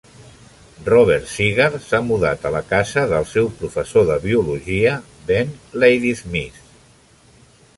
Robert Cigar s'ha mudat a la casa del seu professor de biologia, Ben Ladysmith.